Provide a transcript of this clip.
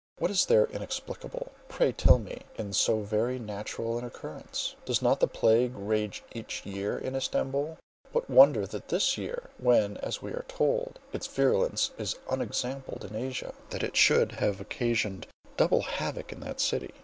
What is there inexplicable, pray, tell me, in so very natural an occurrence? Does not the plague rage each year in Stamboul? What wonder, that this year, when as we are told, its virulence is unexampled in Asia, that it should have occasioned double havoc in that city?